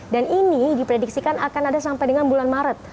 dan ini diprediksikan akan ada sampai dengan bulan maret